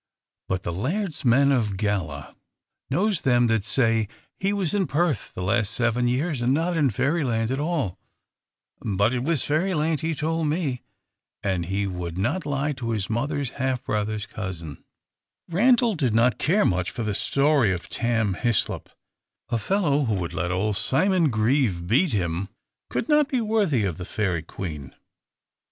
But the Laird's man, of Gala, knows them that say he was in Perth the last seven years, and not in Fairyland at all. But it was Fairyland he told me, and he would not lie to his own mother's half brother's cousin." * Jack, a kind of breastplate. Rung, a staff. Randal did not care much for the story of Tam Hislop. A fellow who would let old Simon Grieve beat him could not be worthy of the Fairy Queen.